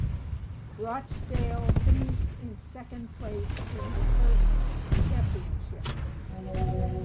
Rochdale finished in second place in the first championship.